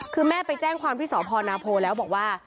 คือแม่ไปแจ้งความที่สพนาโพแล้วบอกว่า